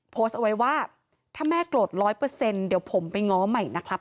โพสต์เอาไว้ว่าถ้าแม่โกรธ๑๐๐เดี๋ยวผมไปง้อใหม่นะครับ